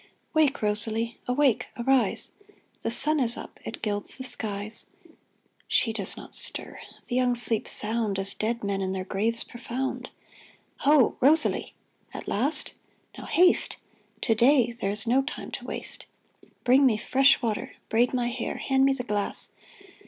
Wake, Rosalie ! Awake ! arise ! The sun is up, it gilds the skies. She does not stir. The young sleep sound FROM EXILE 355 As dead men in their graves profound. Ho, Rosalie ! At last ? Now haste ! To day there is no time to waste. Bring me fresh water. Braid my hair. Hand me the glass.